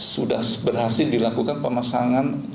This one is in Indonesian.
sudah berhasil dilakukan pemasangan